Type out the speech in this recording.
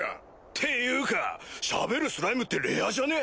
っていうかしゃべるスライムってレアじゃね？